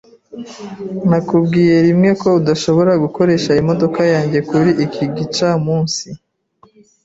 Nakubwiye rimwe ko udashobora gukoresha imodoka yanjye kuri iki gicamunsi.